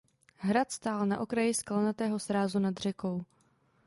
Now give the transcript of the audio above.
Hrad stál na okraji skalnatého srázu nad řekou.